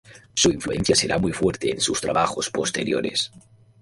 Su influencia será muy fuerte en sus trabajos posteriores.